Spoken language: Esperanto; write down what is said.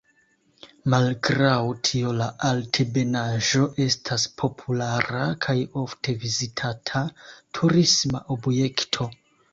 Malgraŭ tio la altebenaĵo estas populara kaj ofte vizitata turisma objekto.